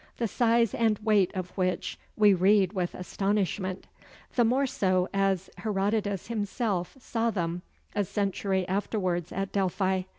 the size and weight of which we read with astonishment; the more so as Herodotus himself saw them a century afterwards at Delphi.